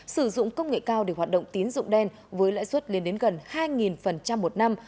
sử dụng công nghệ cao để hoạt động tín dụng đen với lãi suất lên đến gần hai một năm